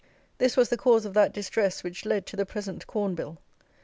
This was the cause of that distress which led to the present Corn Bill.